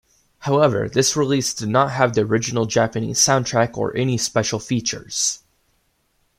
However, this release did not have the original Japanese soundtrack or any special features.